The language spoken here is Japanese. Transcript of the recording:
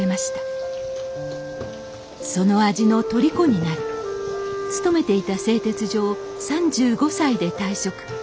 その味のとりこになり勤めていた製鉄所を３５歳で退職。